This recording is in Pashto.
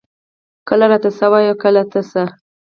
کله راته څۀ وائي او کله څۀ ـ